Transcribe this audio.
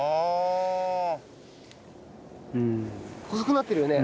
細くなってるよね？